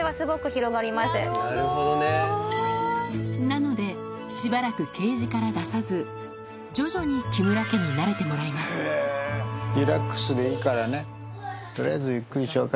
なのでしばらくケージから出さず徐々に木村家に慣れてもらいます食いちぎったんだうわ！